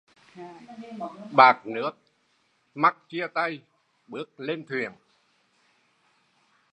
Bạt nước mắt chia tay, bước lên thuyền